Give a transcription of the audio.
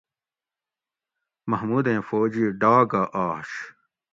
محمودیں فوج ئ ڈاگہ آش